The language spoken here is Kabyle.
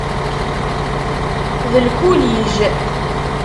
D lkulij.